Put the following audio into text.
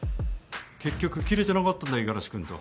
結局切れてなかったんだ五十嵐君と。